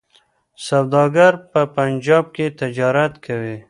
سوداګر په پنجاب کي تجارت کوي.